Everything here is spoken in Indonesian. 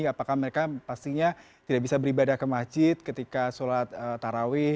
apakah mereka pastinya tidak bisa beribadah ke masjid ketika sholat taraweh